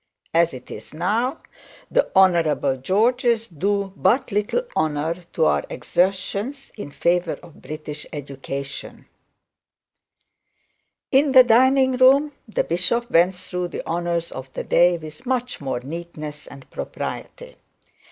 As it is now, the Honourable Georges do but little honour to our exertions in favour of British education. In the dining room the bishop went through the honours of the day with much more neatness and propriety.